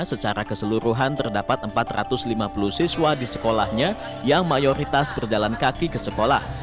secara keseluruhan terdapat empat ratus lima puluh siswa di sekolahnya yang mayoritas berjalan kaki ke sekolah